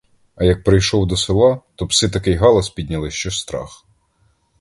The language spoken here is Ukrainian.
А як прийшов до села, то пси такий галас підняли, що страх!